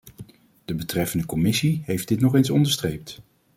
De betreffende commissie heeft dit nog eens onderstreept.